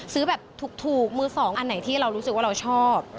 ซื้อแบบถูกมือสองอันไหนที่เรารู้สึกว่าเราชอบ